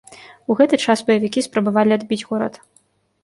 У гэты час баевікі спрабавалі адбіць горад.